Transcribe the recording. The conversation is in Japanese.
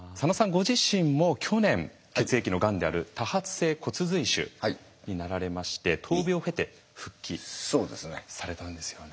ご自身も去年血液のがんである多発性骨髄腫になられまして闘病を経て復帰されたんですよね。